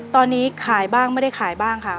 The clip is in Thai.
ตอนนี้ขายบ้างไม่ได้ขายบ้างค่ะ